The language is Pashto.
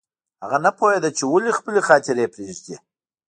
هغه نه پوهېده چې ولې خپلې خاطرې پرېږدي